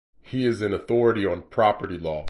He is an authority on Property Law.